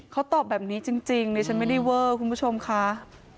เขาตอบแบบนี้จริงดิฉันไม่ได้เวอร์คุณผู้ชมค่ะ